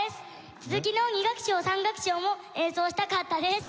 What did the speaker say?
続きの２楽章３楽章も演奏したかったです！